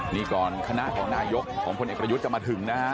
นี่ก่อนคณะของนายกของพลเอกประยุทธ์จะมาถึงนะฮะ